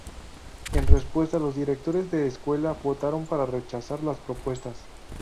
En respuesta, los directores de escuela votaron para rechazar las propuestas.